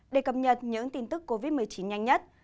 để cập nhật những tin tức covid một mươi chín nhanh nhất